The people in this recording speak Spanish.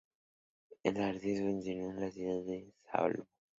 El ardid funcionó y la ciudad se salvó.